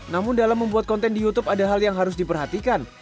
namun dalam membuat konten di youtube ada hal yang harus diperhatikan